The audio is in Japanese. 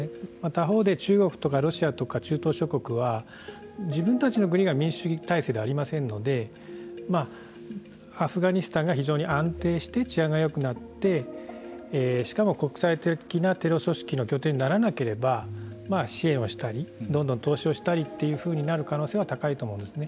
他方で中国とかロシアとか中東諸国は自分たちの国が民主主義体制でありませんのでアフガニスタンが非常に安定して治安がよくなってしかも国際的なテロ組織の拠点にならなければ支援をしたりどんどん投資をしたりというふうになる可能性は高いと思うんですね。